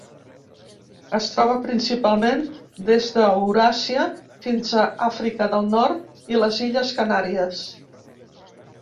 Es troba principalment des d'Euràsia fins a Àfrica del Nord i les Illes Canàries.